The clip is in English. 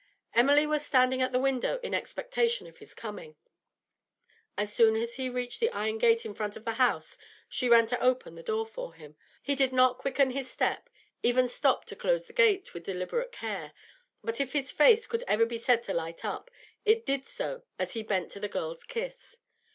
Emily was standing at the window in expectation of his coming. As soon as he reached the iron gate in front of the house she ran to open the door for him. He did not quicken his step, even stopped to close the gate with deliberate care, but if his face could ever be said to light up, it did so as he bent to the girl's kiss.